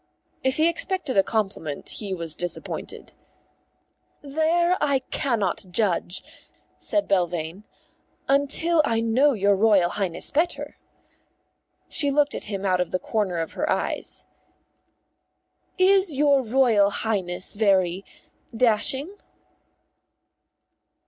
If he expected a compliment he was disappointed. "There I cannot judge," said Belvane, "until I know your Royal Highness better." She looked at him out of the corner of her eyes. "Is your Royal Highness very dashing?"